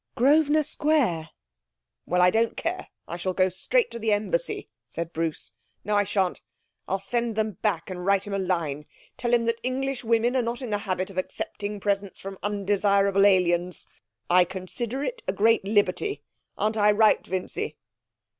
'Grosvenor Square.' 'Well, I don't care. I shall go straight to the embassy,' said Bruce. 'No, I sha'n't. I'll send them back and write him a line tell him that Englishwomen are not in the habit of accepting presents from undesirable aliens.... I consider it a great liberty. Aren't I right, Vincy?'